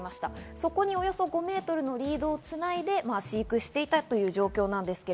そこにおよそ５メートルのリードをつないで飼育していたという状況です。